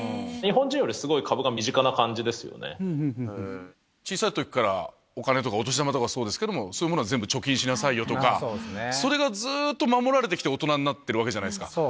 日本人よりすごい株が身近な感じ小さいときから、お金とかお年玉とかそうですけども、そういうものは全部貯金しなさいよとか、それがずっと守られてきて大人になってきてるわけじゃないですか。